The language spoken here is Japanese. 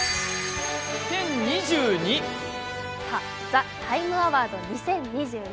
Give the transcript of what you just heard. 「ＴＨＥＴＩＭＥ，アワード２０２２」。